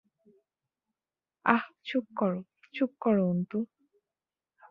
আঃ চুপ করো, চুপ করো অন্তু।